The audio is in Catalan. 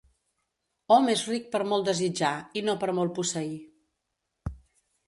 Hom és ric per molt desitjar, i no per molt posseir.